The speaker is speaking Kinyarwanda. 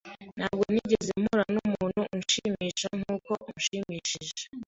Ntabwo nigeze mpura numuntu unshimisha nkuko unshimishije.